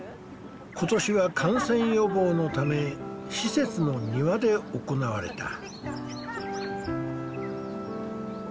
今年は感染予防のため施設の庭で行われた。